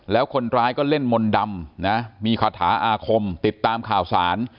แล้วคนร้ายก็เล่นมนต์ดำนะมีคาถาอาคมติดตามข่าวสาร